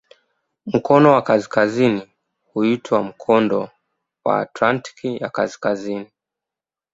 Mkono wa kaskazini huitwa "Mkondo wa Atlantiki ya Kaskazini".